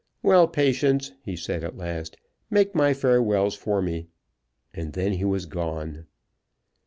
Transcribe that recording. "Well, Patience," he said at last, "make my farewells for me." And then he was gone.